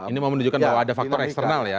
ini mau menunjukkan bahwa ada faktor eksternal ya